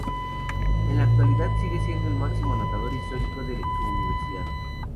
En la actualidad sigue siendo el máximo anotador histórico de su universidad.